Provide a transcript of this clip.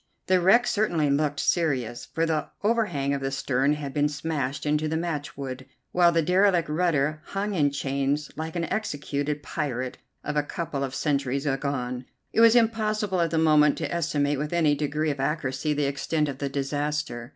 The wreck certainly looked serious, for the overhang of the stern had been smashed into matchwood, while the derelict rudder hung in chains like an executed pirate of a couple of centuries agone. It was impossible at the moment to estimate with any degree of accuracy the extent of the disaster.